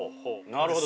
なるほど。